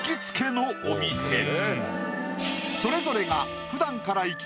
それぞれが。